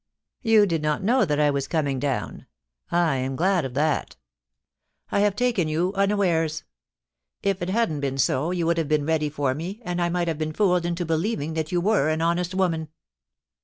... You did not know that I was coming down. I am glad of that I have taken you un awares. If it hadn't been so, you would have been ready for me, and I might have been fooled into believing that you were an honest woman.'